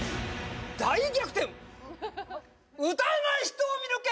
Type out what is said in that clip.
大逆転歌えない人を見抜け！